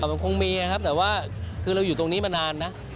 มันคงมีนะครับแต่ว่าคือเราอยู่ตรงนี้มานานนะ